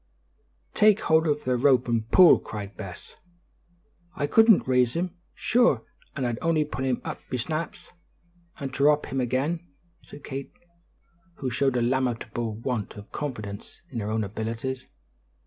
"Take hold of the rope and pull," cried Bess. "I couldn't rise him; shure an' I'd only pull him up be snaps, and dhrop him again," said Kate, who showed a lamentable want of confidence in her own abilities.